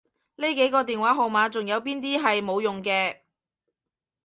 呢幾個電話號碼仲有邊啲係冇用嘅？